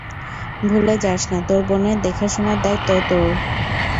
ভুলে যাস না, তোর বোনের দেখাশোনার দায়িত্ব তোর।